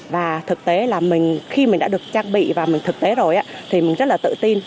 và thực tế là khi mình đã được trang bị và thực tế rồi thì mình rất là tự tin